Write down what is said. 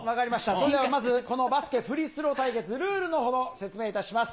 それではまず、このバスケフリースロー対決、ルールのほど説明いたします。